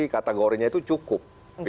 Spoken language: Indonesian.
kategorinya itu cukup